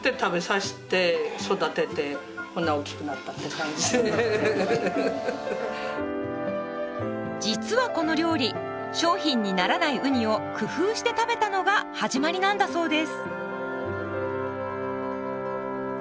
こんなもう実はこの料理商品にならないウニを工夫して食べたのが始まりなんだそうです。